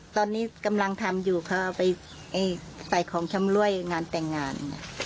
ตอนนี้กำลังทำอยู่เขาเอาไปใส่ของชำรวยงานแต่งงาน